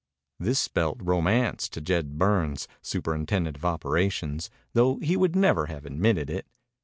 This spelt romance to Jed Burns, superintendent of operations, though he would never have admitted it.